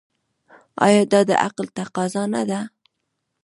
آیا دا د عقل تقاضا نه ده؟